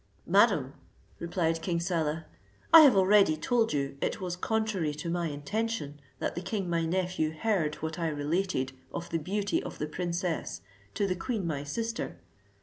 "Madam," replied King Saleh, "I have already told you it was contrary to my intention that the king my nephew heard what I related of the beauty of the princess to the queen my sister.